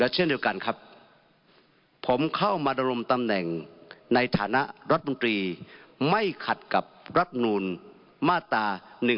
เช่นเดียวกันครับผมเข้ามาดำรงตำแหน่งในฐานะรัฐมนตรีไม่ขัดกับรัฐนูลมาตรา๑๑๒